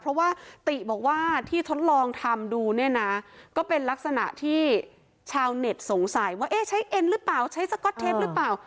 เพราะว่าติบอกว่าที่ทดลองทำดูเนี่ยนะก็เป็นลักษณะที่ชาวเน็ตสงสัยว่าเอ๊ะใช้เอ็นหรือเปล่าใช้สก๊อตเทปหรือเปล่า